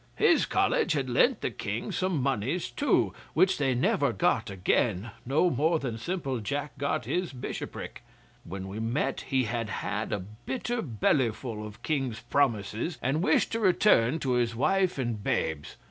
His College had lent the King some monies too, which they never got again, no more than simple Jack got his bishopric. When we met he had had a bitter bellyful of King's promises, and wished to return to his wife and babes.